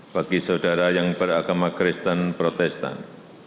bagi saudara yang beragama kristen protestan